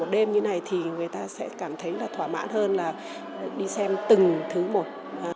đêm như này thì người ta sẽ cảm thấy là thỏa mãn hơn là đi xem từng thứ một